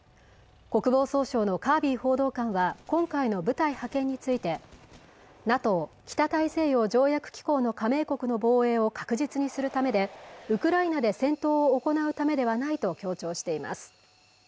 国防総省のカービー報道官は今回の部隊派遣についてＮＡＴＯ＝北大西洋条約機構の加盟国の防衛を確実にするためでウクライナで戦闘を行うためではないと強調しています